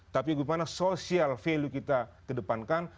tapi gimana social value kita kedepankan